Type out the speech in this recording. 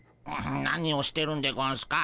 何をしてるんでゴンスか？